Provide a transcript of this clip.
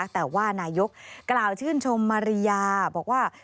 แต่ว่านายกกล่าวชื่นชมมาริยาบอกว่า